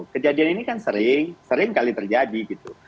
kejadian ini kan sering sering kali terjadi gitu